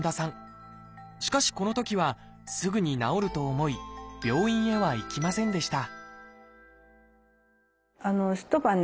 しかしこのときはすぐに治ると思い病院へは行きませんでした